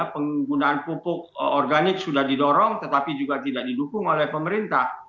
penggunaan pupuk organik sudah didorong tetapi juga tidak didukung oleh pemerintah